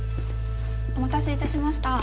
・お待たせいたしました